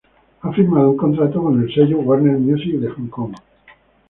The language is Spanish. Ella ha firmado un contrato con el sello Warner Music de Hong Kong.